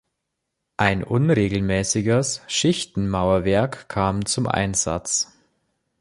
Ein unregelmäßiges Schichtenmauerwerk kam zum Einsatz.